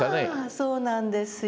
ああそうなんですよ。